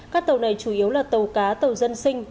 các tàu này chủ yếu là tàu cá tàu dân sinh